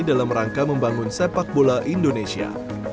dalam rangka membangun sepak bola indonesia